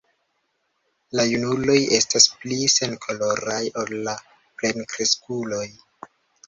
La junuloj estas pli senkoloraj ol la plenkreskuloj.